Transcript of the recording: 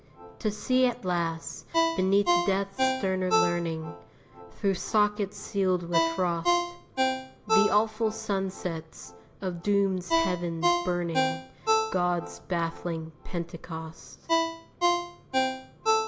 To see at last, beneath Death's sterner learning, Through sockets sealed with frost, The awful sunsets of Doom's heavens burning God's baffling pentecost.